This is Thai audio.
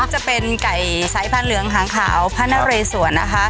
จะเป็นไก่สายพันธุ์เหลืองหางขาวพระนเรสวนนะคะ